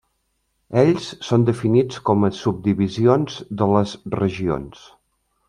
Ells són definits com a subdivisions de les regions.